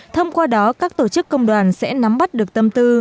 thông qua đó các tổ chức công đoàn sẽ nắm bắt được tâm tư